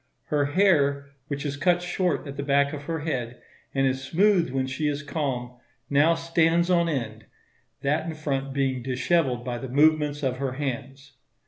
Her hair, which is cut short at the back of her head, and is smooth when she is calm, now stands on end; that in front being dishevelled by the movements of her hands.